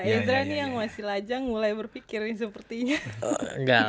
edra nih yang masih lajang mulai berpikir nih sepertinya